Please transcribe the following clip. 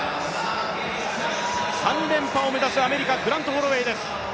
３連覇を目指すアメリカ、グラント・ホロウェイです。